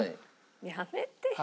やめてよ。